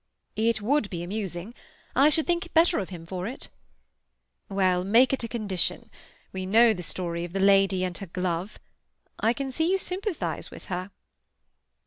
"It would be amusing. I should think better of him for it." "Well, make it a condition. We know the story of the lady and her glove. I can see you sympathize with her."